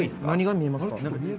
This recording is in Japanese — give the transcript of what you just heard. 「何が見えますか？」